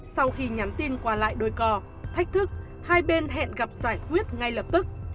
sau khi nhắn tin qua lại đôi co thách thức hai bên hẹn gặp giải quyết ngay lập tức